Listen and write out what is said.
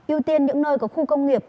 ưu tiên những nơi có khu công nghiệp